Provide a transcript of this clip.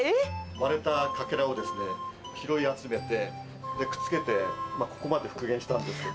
割れたかけらを拾い集めて、くっつけて、ここまで復元したんですけど。